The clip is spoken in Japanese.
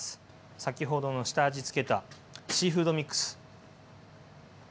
先ほどの下味付けたシーフードミックス。